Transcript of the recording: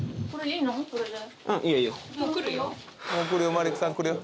マリックさん来るよ